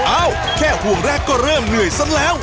แค่ห่วงแรกก็เริ่มเหนื่อยซะแล้ว